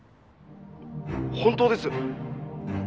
「本当です」